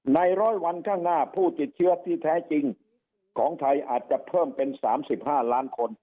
ร้อยวันข้างหน้าผู้ติดเชื้อที่แท้จริงของไทยอาจจะเพิ่มเป็น๓๕ล้านคน